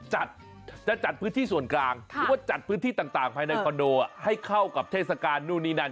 หุ่นผีบ้างลูกโปงบ้าง